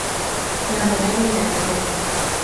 La modelo y la estrella